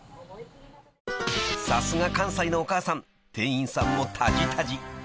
［さすが関西のお母さん店員さんもタジタジ］